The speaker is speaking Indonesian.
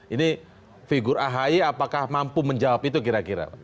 ini figur ahy apakah mampu menjawab itu kira kira